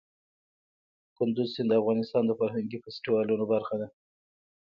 کندز سیند د افغانستان د فرهنګي فستیوالونو برخه ده.